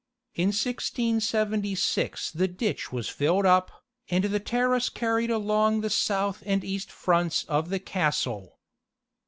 In 1676 the ditch was filled up, and the terrace carried along the south and east fronts of the castle.